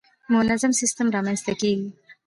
منظم سیستم رامنځته کېږي.